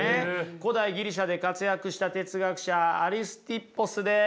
古代ギリシャで活躍した哲学者アリスティッポスです。